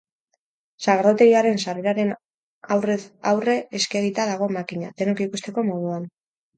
Sagardotegiaren sarreraren aurrez aurre eskegita dago makina, denok ikusteko moduan.